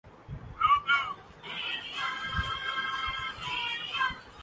رے بیک کا W W E چھوڑنے کا اعلان